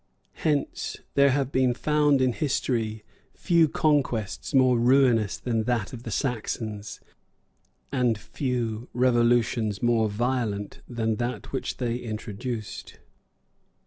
Hence there have been found in history few conquests more ruinous than that of the Saxons, and few revolutions more violent than that which they introduced.